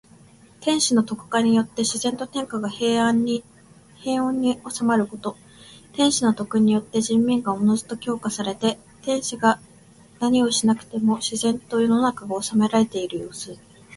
天子の徳化によって自然と天下が平穏に収まること。天子の徳によって人民がおのずと教化されて、天子が何をしなくても自然と世の中が治められているようす。